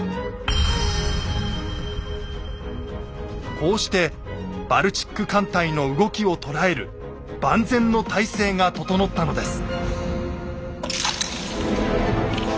こうしてバルチック艦隊の動きを捉える万全の体制が整ったのです。